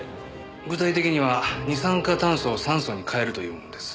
具体的には二酸化炭素を酸素に変えるというものです。